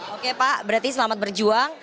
oke pak berarti selamat berjuang